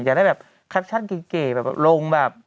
จะได้แบบแคปชั่นเก๋แบบลงแบบ